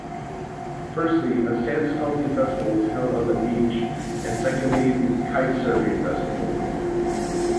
Firstly a Sandsculpting Festival is held on the beach and secondly the Kitesurfing Festival.